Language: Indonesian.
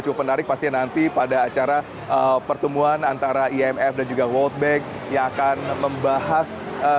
cukup menarik pasti nanti pada acara pertemuan antara imf dan juga world bank yang akan membahas